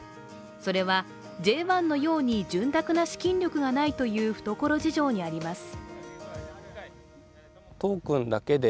それは、Ｊ１のように潤沢な資金力がないという懐事情にあります。